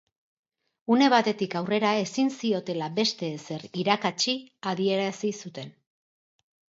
Une batetik aurrera ezin ziotela beste ezer irakatsi adierazi zuten.